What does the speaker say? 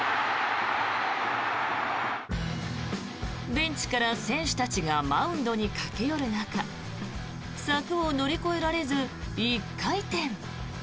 ベンチから選手たちがマウンドに駆け寄る中柵を乗り越えられず１回転。